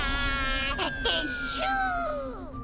てっしゅう！